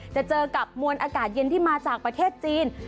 จะเจอกับมวลอากาศเย็นที่มาจากประเทศจีน